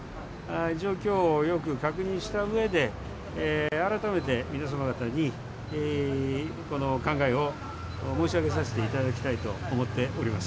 状況をよく確認したうえで、改めて皆様方に考えを申し上げさせていただきたいと思っております。